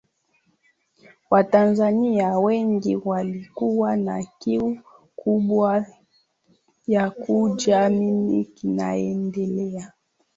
Watanzania wengi walikuwa na kiu kubwa ya kujua nini kinaendelea